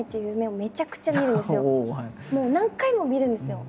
もう何回も見るんですよ。